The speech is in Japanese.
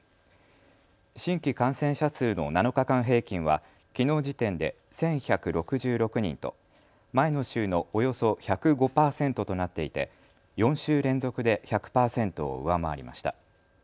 新規感染者数の７日間平均はきのう時点で１１６６人と前の週のおよそ１０５％となっていて４週連続で１００％を上回りました。